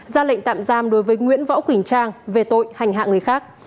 ra lệnh tạm giam đối với nguyễn võ quỳnh trang về tội hành hạ người khác